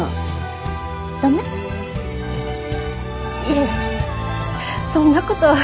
いえそんなことは。